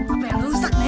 apa yang rusak ya